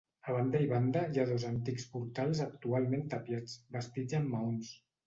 A banda i banda hi ha dos antics portals actualment tapiats, bastits en maons.